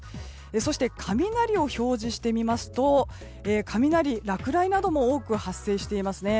そして雷を表示してみますと雷、落雷なども多く発生していますね。